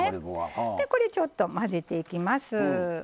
これでちょっと混ぜていきます。